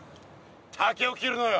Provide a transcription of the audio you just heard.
竹を切るのよ。